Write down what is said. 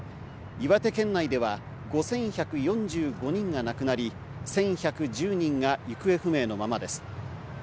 岩手県内では５１４５人が亡くなり、１１１０人が行方不明のままです。